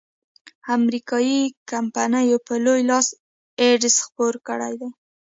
امریکایي کمپینو په لوی لاس ایډز خپور کړیدی.